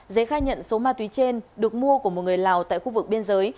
giấy khai nhận số ma túy trên được mua của một người lào tại khu vực biên giới